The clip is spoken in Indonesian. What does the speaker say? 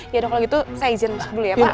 yaudah kalau gitu saya izin mas dulu ya pak